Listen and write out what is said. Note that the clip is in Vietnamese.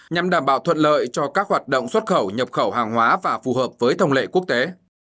nhằm đảm bảo thuận lợi cho các hoạt động xuất khẩu nhập khẩu hàng hóa và phù hợp với thông lệ quốc tế